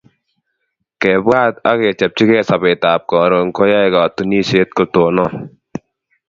kebwat ak kechopchigeei sobetab karon koyae katunisiet kotonon